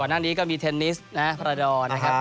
ก่อนหน้านี้ก็มีเทนนิสนะฮะพระราดอลนะครับ